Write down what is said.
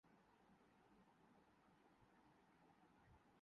پاکستان کا ہر شعبہ دن دگنی رات چگنی ترقی کر رہا ہے